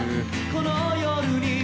「この夜に」